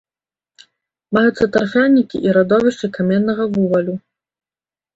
Маюцца тарфянікі і радовішчы каменнага вугалю.